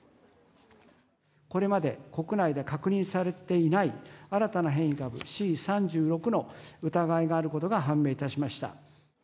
これまで国内で確認されていない新たな変異株、Ｃ３６の疑いがあることが判明いたしました。